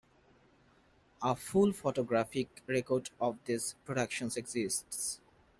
A full photographic record of these productions exists.